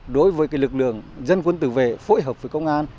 đối với lực lượng dân quân tử vệ phối hợp với công an